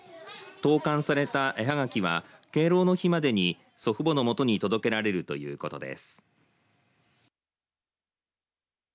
投かんされた絵はがきは敬老の日までに祖父母の元に届けられるということです。